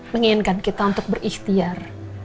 menginginkan kita untuk berikhtiar